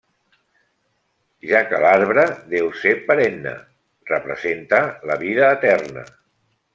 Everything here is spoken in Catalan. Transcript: Ja que l'arbre deu ser perenne, representa la vida eterna.